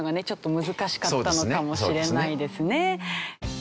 ちょっと難しかったのかもしれないですね。